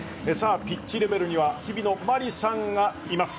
ピッチレベルには日々野真理さんがいます。